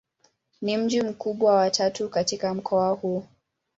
Ni mji mkubwa wa tatu katika mkoa huu.